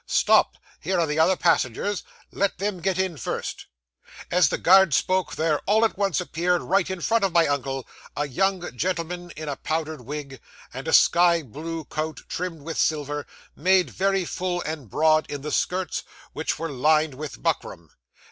"Stop! Here are the other passengers. Let them get in first." 'As the guard spoke, there all at once appeared, right in front of my uncle, a young gentleman in a powdered wig, and a sky blue coat trimmed with silver, made very full and broad in the skirts, which were lined with buckram.